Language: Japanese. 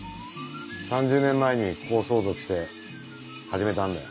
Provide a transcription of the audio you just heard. ３０年前にここを相続して始めたんだよ。